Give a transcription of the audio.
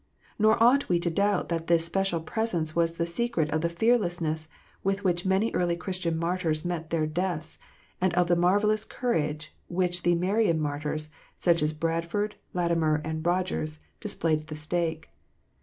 Nor ought we to doubt that this special presence was the secret of the fearlessness with which many early Christian martyrs met their deaths, and of the marvellous courage which the Marian martyrs, such as Bradford, Latimer, and Rogers, displayed at the stake.